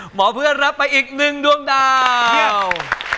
หมอเพื่อนรับไปอีกหนึ่งดวงดาว